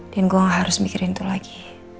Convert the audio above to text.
dan gue gak harus mikirin itu lagi